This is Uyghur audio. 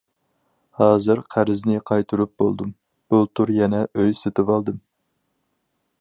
ھازىر قەرزنى قايتۇرۇپ بولدۇم، بۇلتۇر يەنە ئۆي سېتىۋالدىم.